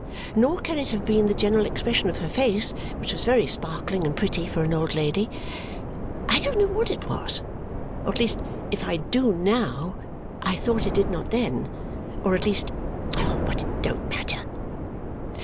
Nor can it have been the general expression of her face, which was very sparkling and pretty for an old lady. I don't know what it was. Or at least if I do now, I thought I did not then. Or at least but it don't matter.